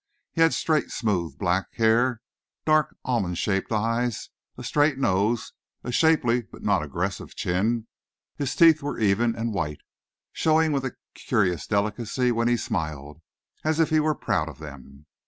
He had straight smooth black hair, dark almond shaped eyes, a straight nose, a shapely but not aggressive chin; his teeth were even and white, showing with a curious delicacy when he smiled, as if he were proud of them.